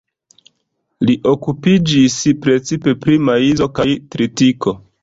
Li okupiĝis precipe pri maizo kaj tritiko.